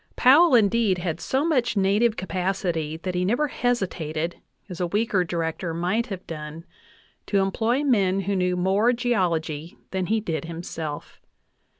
Powell, indeed, had so much native capacity that he never hesitated, as a weaker Director might have done, to employ men who knew more geology than he did himself.